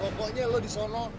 pokoknya lo di sana